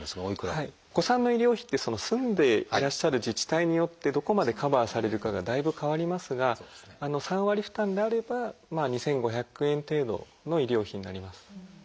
お子さんの医療費って住んでいらっしゃる自治体によってどこまでカバーされるかがだいぶ変わりますが３割負担であれば２，５００円程度の医療費になります。